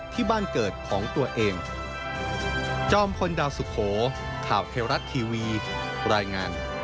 ที่บ้านเกิดของตัวเอง